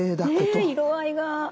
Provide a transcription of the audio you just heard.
ねえ色合いが。